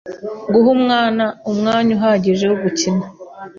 Guha umwana umwanya uhagije wo gukina,